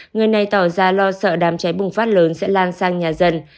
người này tỏ ra lo sợ đám cháy bùng phát lớn sẽ lan sang nhà dân